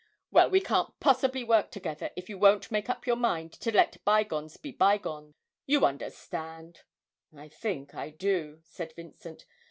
Well, we can't possibly work together if you won't make up your mind to let bygones be bygones: you understand.' 'I think I do,' said Vincent.